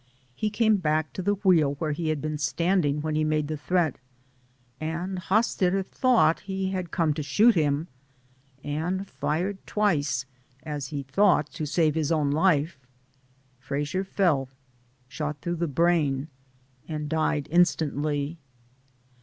He came back to the wheel where he had been standing when he made the threat, and Hosstetter thought he had come to shoot him, and fired twice, as he thought, 196 DAYS ON THE ROAD, to save his own life. Frasier fell, shot through the brain, and died instantly.